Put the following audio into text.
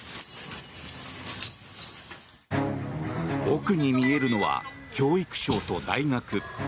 奥に見えるのは教育省と大学。